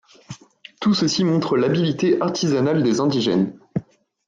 Tout ceci montre l'habilité artisanale des indigènes.